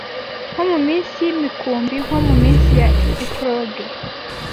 nko muminsi yimikumbi nko muminsi ya eclogues